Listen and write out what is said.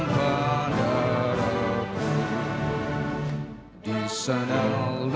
bangsa dan tandaanku